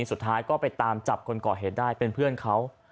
สุดท้ายก็ไปตามจับคนก่อเหตุได้เป็นเพื่อนเขา